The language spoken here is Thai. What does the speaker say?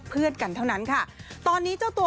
ดูเหมือนเป็นแฟนกันด้วยซ้ำ